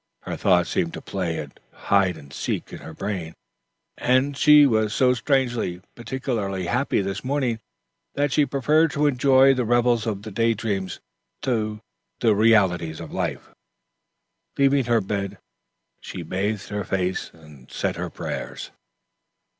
Her thoughts seemed to play at hide and seek in her brain, and she was so strangely, peculiarly happy this morning, that she preferred to enjoy the revels of day dreams to the realities of life. Leaving her bed, she bathed her face and said her prayers.